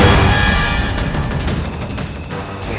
kau bisa mencari dia